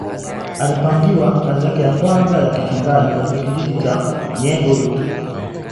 alipangiwa kazi yake ya kwanza ya kichungaji katika kijiji cha niegowiic